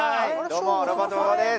どうもロバート馬場です